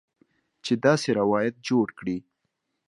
چې داسې روایت جوړ کړي